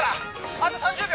あと３０秒。